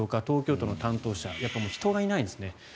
東京都の担当者人がいないんですね。